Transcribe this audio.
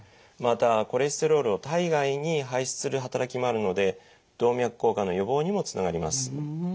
またコレステロールを体外に排出する働きもあるので動脈硬化の予防にもつながります。